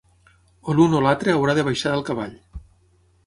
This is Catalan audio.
O l’un o l’altre haurà de baixar del cavall.